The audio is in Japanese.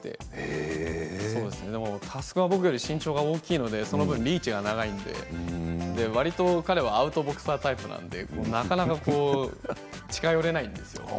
それをやっていて佑の僕より身長が大きいのでその分リーチが長いのでわりと彼はアウトボクサータイプなのでなかなか近寄れないですよね。